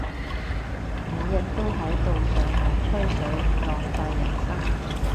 每日都喺度上網吹水，浪費人生